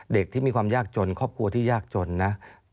ที่มีความยากจนครอบครัวที่ยากจนนะ